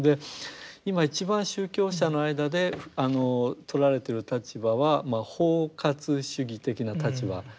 今一番宗教者の間でとられてる立場は包括主義的な立場。